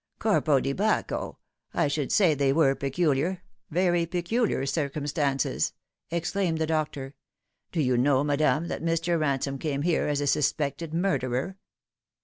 " Corpo di Bacco ! I should say they were peculiar, very peculiar circumstances !" exclaimed the doctor. " Do you know, madame, that Mr. Ransome came here as a suspected murderer